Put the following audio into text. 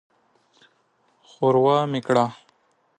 ښوروا مې کړه.